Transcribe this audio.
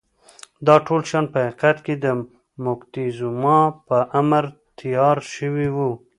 دا ټول شیان په حقیقت کې د موکتیزوما په امر تیار شوي وو.